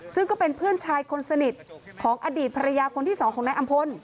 ซึ่งก็เป็นเพื่อนชายคนสนิทของอดีตภรรยาคนที่สองของนายอำพล